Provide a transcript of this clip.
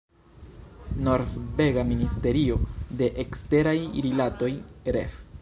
Norvega ministerio de eksteraj rilatoj, ref.